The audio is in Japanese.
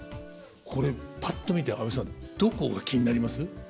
これぱっと見て安部さんどこが気になります？